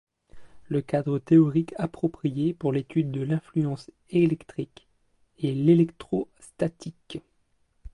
Le cadre théorique approprié pour l'étude de l'influence électrique est l'électrostatique.